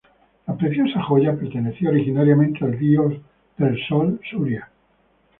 La preciosa joya pertenecía originalmente al dios del Sol, Suria.